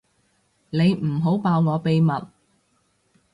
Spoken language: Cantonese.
你唔好爆我秘密